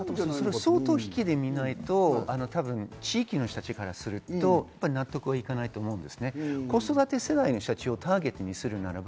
相当引きで見ないと、地域の人たちからすると、納得いかないと思うんです。